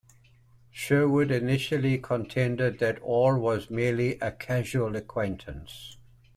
Sherwood initially contended that Ore was merely a "casual acquaintance".